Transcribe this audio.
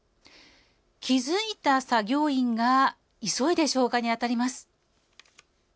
気付いた作業員が急いで消火に当たります。